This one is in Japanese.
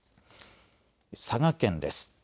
佐賀県です。